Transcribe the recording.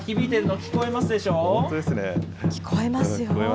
聞こえますよ。